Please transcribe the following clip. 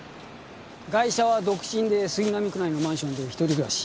ガイシャは独身で杉並区内のマンションで一人暮らし。